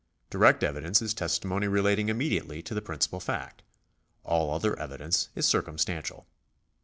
Direct evidence is testimony relating immediately to the principal fact. All other evidence is circumstantial.